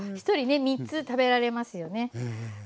１人ね３つ食べられますよね。